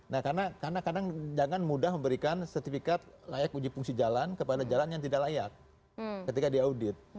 nah karena kadang jangan mudah memberikan sertifikat layak uji fungsi jalan kepada jalan yang tidak layak ketika diaudit